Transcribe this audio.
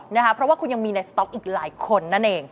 เพราะว่าคุณยังมีในสต๊อกอีกหลายคนนั่นเอง